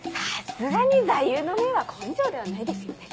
さすがに座右の銘は「根性」ではないですよね？